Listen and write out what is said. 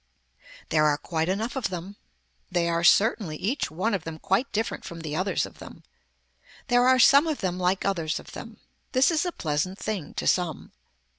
There are quite enough of them. They are certainly each one of them quite different from the others of them. There are some of them like others of them. This is a pleasant thing to some.